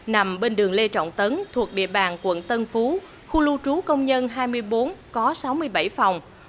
nằm bên đường lê trọng tấn thuộc địa bàn quận tân phú khu lưu trú công nhân hai mươi bốn có sáu mươi bảy phòng